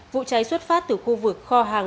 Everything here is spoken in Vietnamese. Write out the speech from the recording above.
vụ cháy xuất phát từ khu vực kho hàng